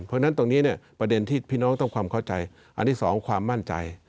เพราะฉะนั้นตรงนี้เนี่ยประเด็นที่พี่น้องต้องความเข้าใจอันที่สองความมั่นใจ